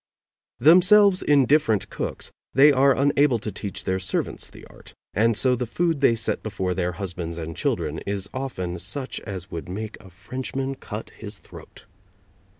Themselves indifferent cooks, they are unable to teach their servants the art, and so the food they set before their husbands and children is often such as would make a Frenchman cut his throat.